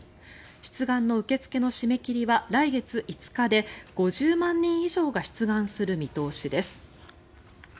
出願の受け付けの締め切りは来月５日で５０万人以上が出願する見通しです。